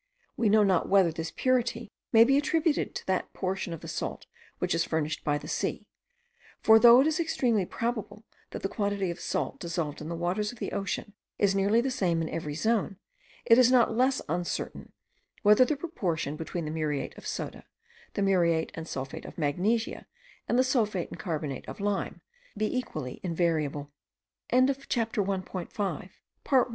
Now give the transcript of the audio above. We know not whether this purity may be attributed to that portion of the salt which is furnished by the sea; for though it is extremely probable, that the quantity of salt dissolved in the waters of the ocean is nearly the same under every zone, it is not less uncertain whether the proportion between the muriate of soda, the muriate and sulphate of magnesia, and the sulphate and carbonate of lime, be equally invariable. Having examined the salt wor